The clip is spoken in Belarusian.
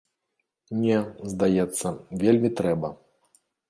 Не, здаецца, вельмі трэба.